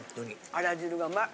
あら汁がうまい。